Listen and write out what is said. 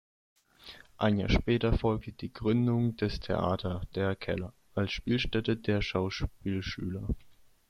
Ein Jahr später folgte die Gründung des Theater der Keller, als Spielstätte der Schauspielschüler.